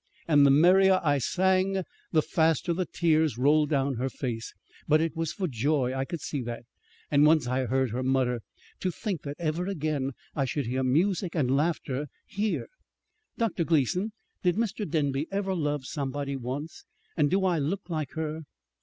And the merrier I sang, the faster the tears rolled down her face but it was for joy. I could see that. And once I heard her mutter: 'To think that ever again I should hear music and laughter here!' Dr. Gleason, did Mr. Denby ever love somebody once, and do I look like her?"